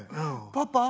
「パパ。